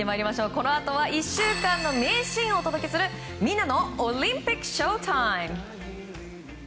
このあとは１週間の名シーンをお届けするみんなのオリンピックショータイム。